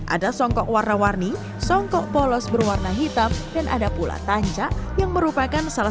ada songkok warna warni songkok polos berwarna hitam dan ada pula tanca yang merupakan salah